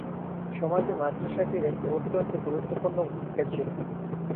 সমাজে মাদ্রাসাটির একটি অত্যন্ত গুরুত্বপূর্ণ ভূমিকা ছিল।